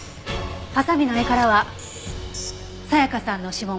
ハサミの柄からは沙也加さんの指紋。